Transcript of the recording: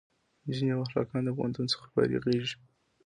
جینکۍ او هلکان د پوهنتون نه فارغېږي